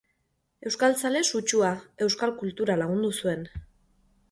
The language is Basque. Euskaltzale sutsua, euskal kultura lagundu zuen.